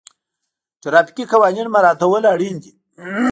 ټرافیکي قوانین مراعتول اړین دي.